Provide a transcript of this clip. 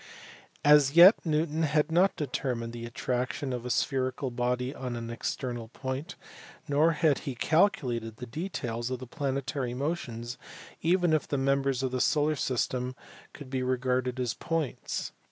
As yet Newton had not determined the attraction of a spherical body on an ex ternal point, nor had he calculated the details of the planetary motions even if the members of the solar system could be re garded as points.